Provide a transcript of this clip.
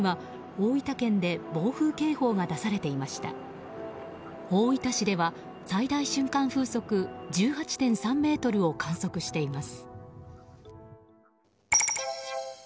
大分市では最大瞬間風速１８．３メートルを観測しています。